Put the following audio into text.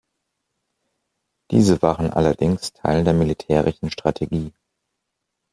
Diese waren allerdings Teil der militärischen Strategie.